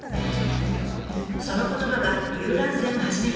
その言葉が遊覧船を始めるきっかけに。